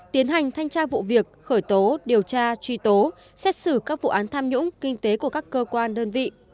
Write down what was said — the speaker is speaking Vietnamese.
tiến hành thanh tra vụ việc khởi tố điều tra truy tố xét xử các vụ án tham nhũng kinh tế của các cơ quan đơn vị